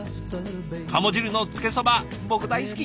カモ汁のつけそば僕大好き。